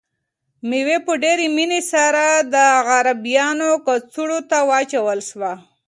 مېوه په ډېرې مینې سره د غریبانو کڅوړو ته واچول شوه.